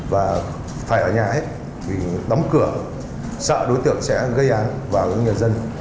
và phải ở nhà hết vì đóng cửa sợ đối tượng sẽ gây án vào người dân